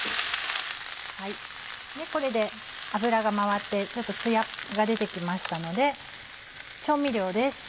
これで油が回ってちょっとつやが出て来ましたので調味料です。